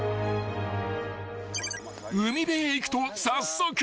［海辺へ行くと早速］